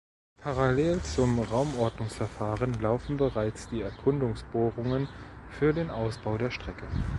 Parallel zum Raumordnungsverfahren laufen bereits die Erkundungsbohrungen für den Ausbau der Strecke.